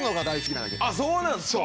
そうなんですか？